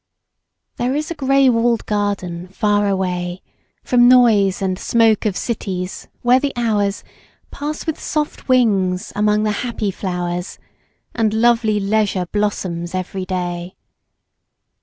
There is a grey walled garden far away From noise and smoke of cities where the hours Pass with soft wings among the happy flowers And lovely leisure blossoms every day.